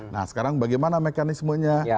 nah sekarang bagaimana mekanismenya